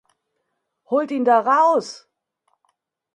Holt ihn da raus!